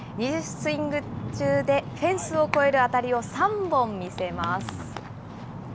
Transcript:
２０スイング中でフェンスを越える当たりを３本見せます。